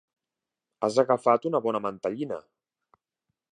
Has agafat una bona mantellina!